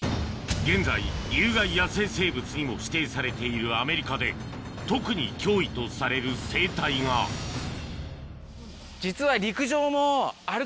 現在有害野生生物にも指定されているアメリカで特に脅威とされる生態がえっ！